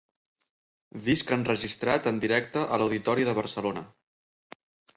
Disc enregistrat en directe a l’Auditori de Barcelona.